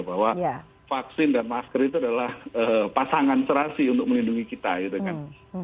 bahwa vaksin dan masker itu adalah pasangan serasi untuk melindungi kita gitu kan